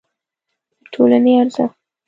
د ټولنې ارزښت